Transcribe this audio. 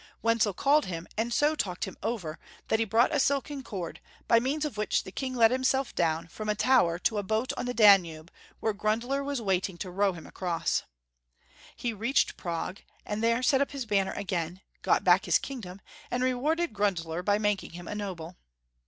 Wenzel called him, and so talked him over that he 230 Young Folks^ History of Germany, brought a silken cord, by means of which the King let liimself down from the tower to a boat on the Danube, where Grundler was waiting to row him across. He reached Prague, and there set up liis banner again, got back his kingdom, and rewarded Grundler by making him a noble.